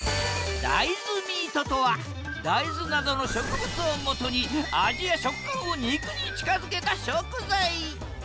大豆ミートとは大豆などの植物をもとに味や食感を肉に近づけた食材！